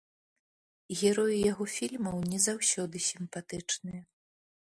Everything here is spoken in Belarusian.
Героі яго фільмаў не заўсёды сімпатычныя.